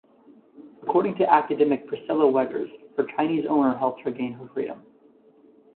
According to academic Priscilla Wegars, her Chinese owner helped her gain her freedom.